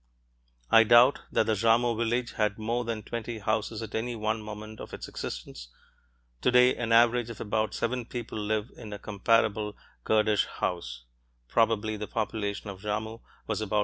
I doubt that the Jarmo village had more than twenty houses at any one moment of its existence. Today, an average of about seven people live in a comparable Kurdish house; probably the population of Jarmo was about 150 people.